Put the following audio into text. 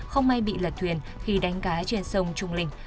không may bị lật thuyền khi đánh cá trên sông trung linh